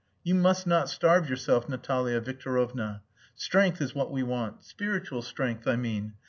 You must not starve yourself, Natalia Victorovna. Strength is what we want. Spiritual strength, I mean.